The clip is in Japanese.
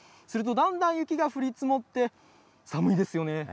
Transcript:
するとだんだん雪が降り積もって、寒いですよね。